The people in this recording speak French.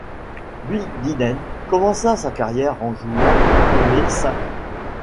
Bill Dineen commença sa carrière en jouant pour les St.